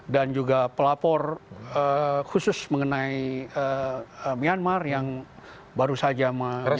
dan juga pelapor khusus mengenai myanmar yang baru saja menyampaikan